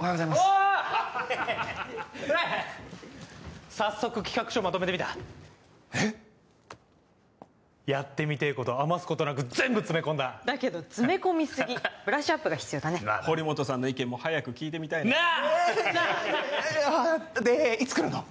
おおこれ早速企画書まとめてみたえっやってみてえこと余すことなく全部詰め込んだだけど詰め込みすぎブラッシュアップが必要だね堀本さんの意見も早く聞いてみたいななあでいつ来るの？